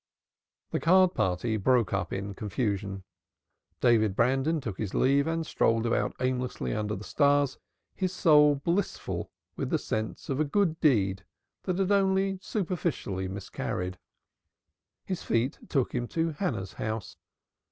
The card party broke up in confusion. David Brandon took his leave and strolled about aimlessly under the stars, his soul blissful with the sense of a good deed that had only superficially miscarried. His feet took him to Hannah's house.